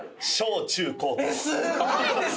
小中高と。